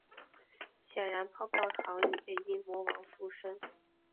显然泡泡糖已被阴魔王附身。